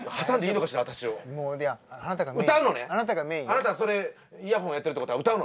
あなたそれイヤホンやってるってことは歌うのね？